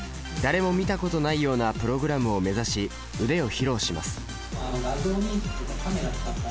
誰も見たことないようなプログラムを目指し腕を披露します。